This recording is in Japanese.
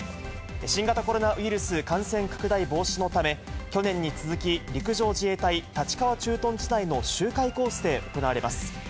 新型コロナウイルス感染拡大防止のため、去年に続き、陸上自衛隊立川駐屯地内の周回コースで行われます。